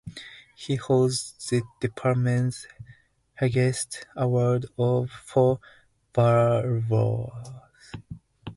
He holds the Department's highest award for valor.